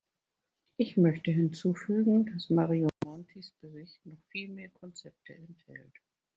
Ich möchte hinzufügen, dass Mario Montis Bericht noch viel mehr Konzepte enthält.